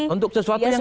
untuk sesuatu yang pasti